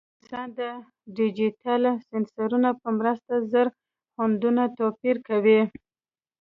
انسان د ډیجیټل سینسرونو په مرسته زر خوندونه توپیر کوي.